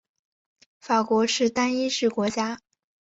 法国是单一制国家。